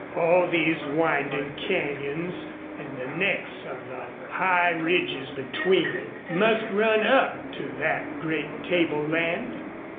All these winding canyons, and the necks of the high ridges between, must run up to that great table land.